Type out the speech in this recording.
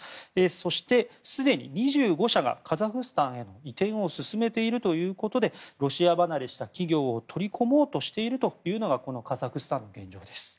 そして、すでに２５社がカザフスタンへの移転を進めているということでロシア離れした企業を取り込もうとしているというのがカザフスタンの現状です。